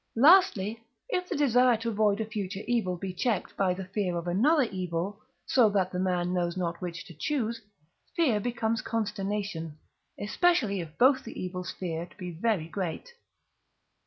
Lastly, if the desire to avoid a future evil be checked by the fear of another evil, so that the man knows not which to choose, fear becomes consternation, especially if both the evils feared be very great.